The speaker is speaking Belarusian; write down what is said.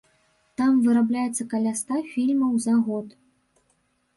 Там вырабляецца каля ста фільмаў за год.